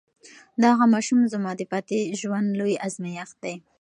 دغه ماشوم زما د پاتې ژوند لوی ازمېښت دی.